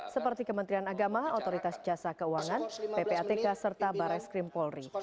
seperti kementerian agama otoritas jasa keuangan ppatk serta barai skrim polri